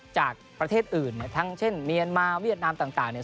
จากประเทศอื่นเนี่ยทั้งเช่นเมียนมาเวียดนามต่างเนี่ย